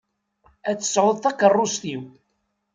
Ad tt-tesɛuḍ takeṛṛust-iw.